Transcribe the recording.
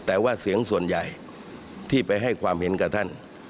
แต่ว่าเสียงส่วนใหญ่ที่ไปให้ความเห็นกับท่าน